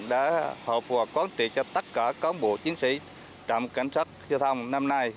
đã hợp hòa quán triệt cho tất cả các bộ chiến sĩ trạm cảnh sát thiêu thông năm nay